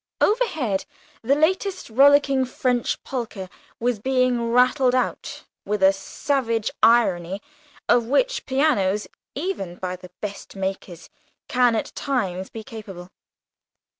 Overhead, the latest rollicking French polka was being rattled out, with a savage irony of which pianos, even by the best makers, can at times be capable.